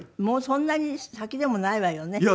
もうそんなに先でもないわよね。